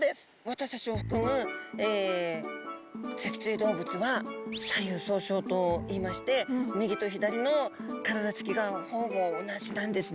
私たちをふくむせきつい動物は左右相称といいまして右と左の体つきがほぼ同じなんですね。